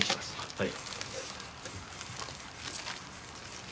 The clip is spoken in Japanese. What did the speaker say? はい。